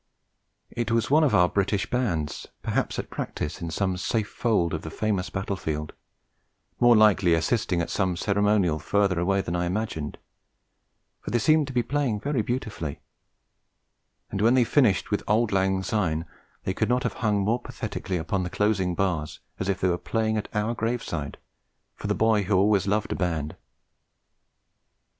It was one of our British bands, perhaps at practice in some safe fold of the famous battle field, more likely assisting at some ceremonial further away than I imagined; for they seemed to be playing very beautifully; and when they finished with 'Auld Lang Syne' they could not have hung more pathetically upon the closing bars if they had been playing at our graveside, for the boy who always loved a band.